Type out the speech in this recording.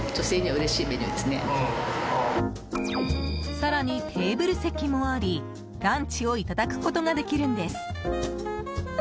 更にテーブル席もありランチをいただくことができるんです。